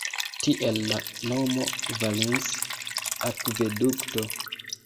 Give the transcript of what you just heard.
Tiel la nomo Valens-akvedukto.